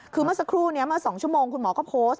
คือเมื่อสักครู่นี้เมื่อ๒ชั่วโมงคุณหมอก็โพสต์